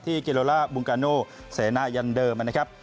กิโลล่าบุงกาโนเสนายันเดิมนะครับ